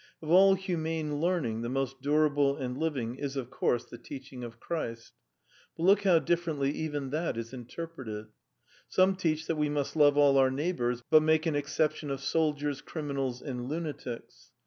Of all humane learning the most durable and living is, of course, the teaching of Christ; but look how differently even that is interpreted! Some teach that we must love all our neighbours but make an exception of soldiers, criminals, and lunatics.